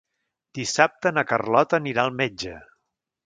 Dissabte na Carlota anirà al metge.